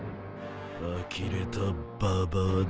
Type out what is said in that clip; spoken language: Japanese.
あきれたババアだ。